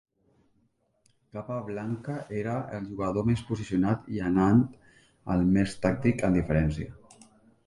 Capablanca era el jugador més posicional i Anand, el més tàctic amb diferència.